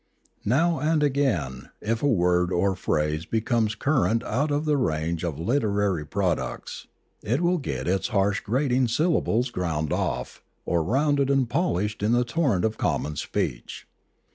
Now and again if a word or phrase becomes current out of the range of literary products, it will get its harsh grating syllables ground off, or rounded and polished in the torrent of common speech.